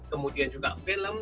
kemudian juga film